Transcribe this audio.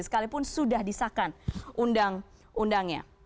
sekalipun sudah disahkan undang undangnya